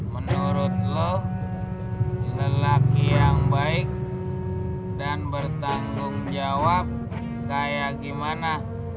menurut lo lelaki yang baik dan bertanggung jawab saya gimana